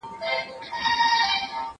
دا بشپړ له هغه مهم دي